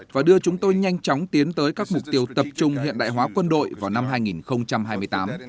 và đưa chúng tôi nhanh chóng tiến tới các mục tiêu tập trung hiện đại hóa quân đội vào năm hai nghìn hai mươi tám